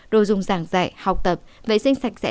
đồ dùng giảng dạy học tập vệ sinh sạch sẽ